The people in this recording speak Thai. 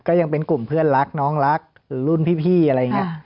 ก็ยังเป็นกลุ่มเพื่อนรักน้องรักรุ่นพี่อะไรอย่างนี้